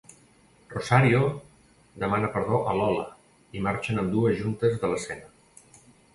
Rosario demana perdó a Lola i marxen ambdues juntes de l'escena.